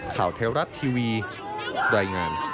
ข่าวแท้รัฐทีวีดร